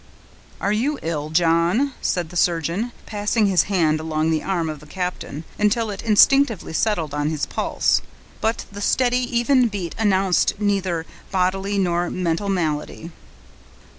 "Are you ill, John?" said the surgeon, passing his hand along the arm of the captain, until it instinctively settled on his pulse; but the steady, even beat announced neither bodily nor mental malady.